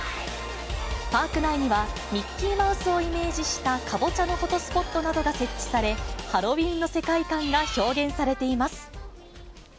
パーク内には、ミッキーマウスをイメージしたカボチャのフォトスポットなどが設置され、ハロウィーンの世界観が表現されています。